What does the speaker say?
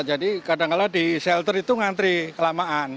kadang kadang di shelter itu ngantri kelamaan